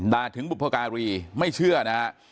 ดาถึงบุพการีไม่เชื่อนะครับ